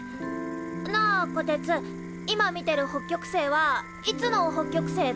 なあこてつ今見てる北極星はいつの北極星だ？